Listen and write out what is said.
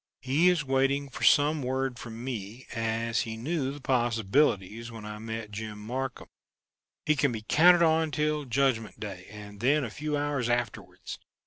He is waiting for some word from me, as he knew the possibilities when I met Jim Marcum. He can be counted on till Judgment Day and then a few hours afterwards!